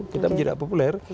kita menjadi tidak populer